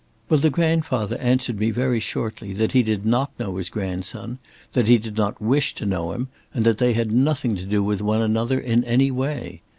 "Well, the grandfather answered me very shortly that he did not know his grandson, that he did not wish to know him, and that they had nothing to do with one another in any way.